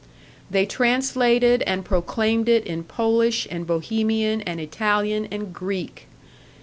They translated and proclaimed it in Polish and Bohemian and Italian and Greek.